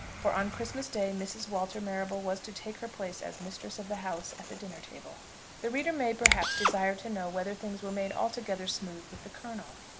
For on Christmas Day Mrs. Walter Marrable was to take her place as mistress of the house at the dinner table. The reader may, perhaps, desire to know whether things were made altogether smooth with the Colonel.